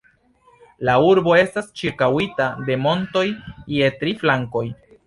La urbo estas ĉirkaŭita de montoj je tri flankoj.